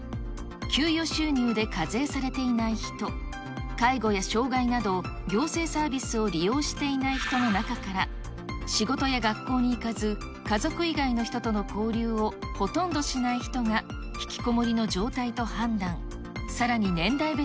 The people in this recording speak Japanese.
給与収入で課税されていない人、介護や障害など、行政サービスを利用していない人の中から、仕事や学校に行かず、家族以外の人との交流をほとんどしない人が、ひきこもりの状態と判断。